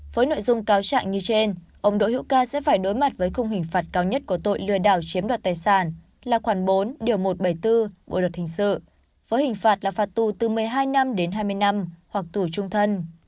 với nội dung cáo trạng như trên ông đỗ hữu ca sẽ phải đối mặt với khung hình phạt cao nhất của tội lừa đảo chiếm đoạt tài sản là khoảng bốn một trăm bảy mươi bốn bộ luật hình sự với hình phạt là phạt tù từ một mươi hai năm đến hai mươi năm hoặc tù trung thân